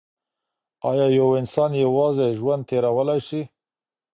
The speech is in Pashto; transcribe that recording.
ایا یو انسان یوازي ژوند تیرولای سي؟